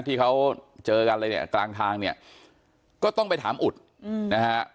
ที่เขาเจอกันเลยเนี่ยกลางทางเนี่ยก็ต้องไปถามอุดนะฮะ